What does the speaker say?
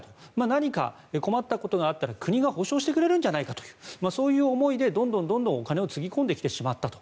何か困ったことがあったら国が保証してくれるんじゃないかというそういう思いで、どんどんお金をつぎ込んできてしまったと。